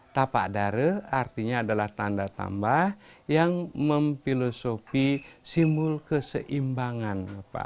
tapak dare artinya adalah tanda tambah yang memfilosofi simbol keseimbangan